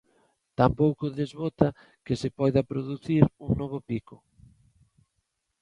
Tampouco desbota que se poida producir un novo pico.